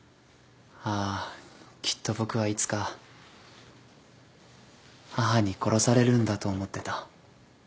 ああきっと僕はいつか母に殺されるんだと思ってた。